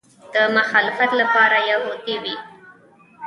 د مخالفت لپاره یهودي وي.